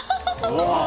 うわっ。